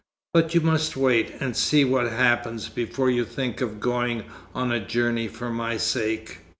but you must wait, and see what happens, before you think of going on a journey for my sake."